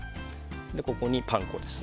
ここにパン粉です。